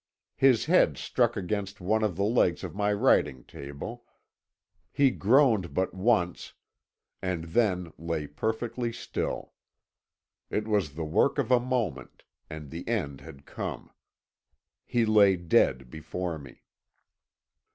His head struck against one of the legs of my writing table; he groaned but once, and then lay perfectly still. It was the work of a moment, and the end had come. He lay dead before me.